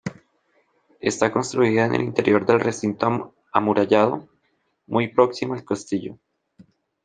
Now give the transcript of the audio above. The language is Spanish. Está construida en el interior del recinto amurallado, muy próxima al castillo.